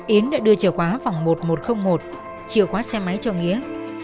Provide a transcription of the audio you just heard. yến đã đưa chìa khóa vòng một nghìn một trăm linh một chìa khóa xe máy cho nghĩa